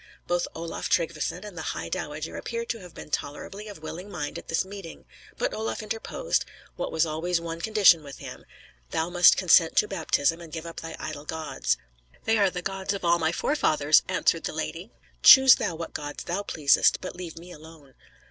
Both Olaf Tryggveson and the high dowager appear to have been tolerably of willing mind at this meeting; but Olaf interposed, what was always one condition with him, "Thou must consent to baptism, and give up thy idol gods." "They are the gods of all my forefathers," answered the lady; "choose thou what gods thou pleasest, but leave me mine."